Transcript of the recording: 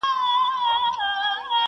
رسنۍ او پوليس صحنه ننداره کوي,